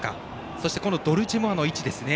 そしてドルチェモアの位置ですね。